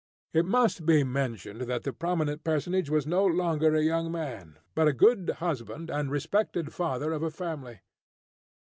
It must be mentioned that the prominent personage was no longer a young man, but a good husband and respected father of a family.